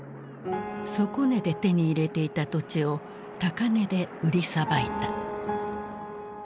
底値で手に入れていた土地を高値で売りさばいた。